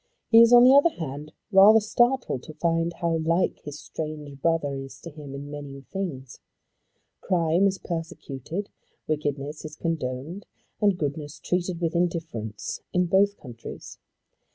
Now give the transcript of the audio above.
He is on the other hand rather startled to find how like his strange brother is to him in many things. Crime is persecuted, wickedness is condoned, and goodness treated with indifference in both countries.